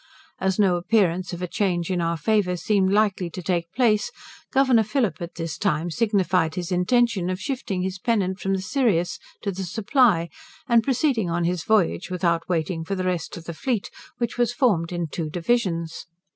As no appearance of a change in our favour seemed likely to take place, Governor Phillip at this time signified his intention of shifting his pennant from the Sirius to the 'Supply', and proceeding on his voyage without waiting for the rest of the fleet, which was formed in two divisions.